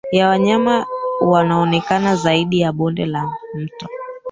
ya wanyama wanaoonekana zaidi ya bonde la mto